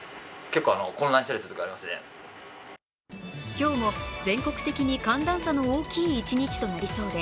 今日も全国的に寒暖差の大きい一日となりそうで、